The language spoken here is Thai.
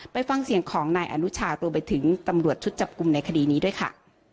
ฟังเสียงของนายอนุชารวมไปถึงตำรวจชุดจับกลุ่มในคดีนี้ด้วยค่ะ